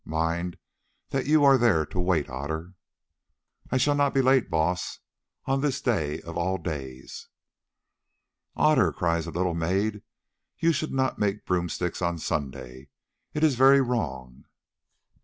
Mind that you are there to wait, Otter." "I shall not be late, Baas, on this day of all days." "Otter," cries a little maid, "you should not make broom sticks on Sunday, it is very wrong."